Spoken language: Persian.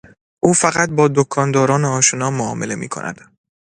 او فقط با دکانداران آشنا معامله میکند.